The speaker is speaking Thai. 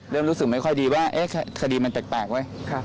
เริ่มรู้สึกไม่ค่อยดีว่าคดีมันแปลกเว้ย